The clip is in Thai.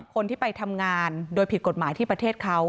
คนที่ไปทำงานโดยผิดกฎหมายที่ประเทศเขา